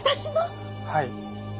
はい。